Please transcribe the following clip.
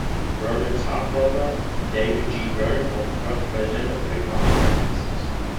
Burnet's half-brother David G. Burnet was the first president of the Republic of Texas.